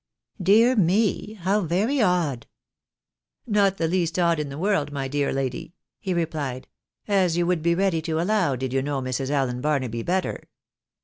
" Dear me, how very odd !"" Not the least odd in the world, my dear lady," he replied, " as you would be ready to allow, did you know Mrs. Allen Barnaby better.